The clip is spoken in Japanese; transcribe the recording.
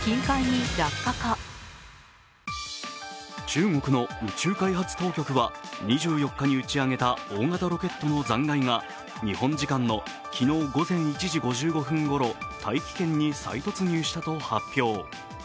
中国の宇宙開発当局は２４日に打ち上げた大型ロケットの残骸が日本時間の昨日午前１時５５分ごろ、大気圏に再突入したと発表。